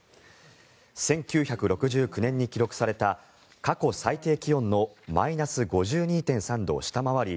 １９６９年に記録された過去最低気温のマイナス５２．３度を下回り